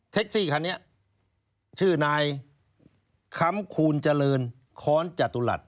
ซี่คันนี้ชื่อนายค้ำคูณเจริญค้อนจตุรัส